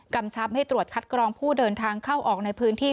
กำชับให้ตรวจคัดกรองผู้เดินทางเข้าออกในพื้นที่